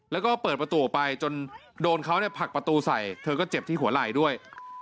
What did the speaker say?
แล้วก็เปิดประตูออกไปจนโดนเขาผลักประตูใส่เธอก็เจ็บที่หัวไหล่ด้วย